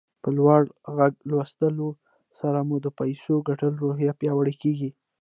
له په لوړ غږ لوستلو سره مو د پيسو ګټلو روحيه پياوړې کېږي.